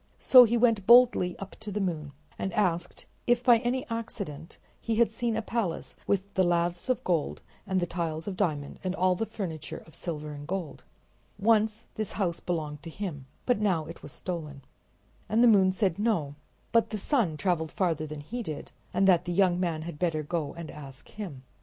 So he went boldly up to the moon, and asked if by any accident he had seen a palace with the laths of gold and the tiles of diamond and all the furniture of silver and gold. Once this house belonged to him, but now it was stolen. And the moon said no, but that the sun traveled farther than he did, and that the young man had better go and ask him.